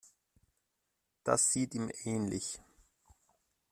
Das sieht ihm ähnlich.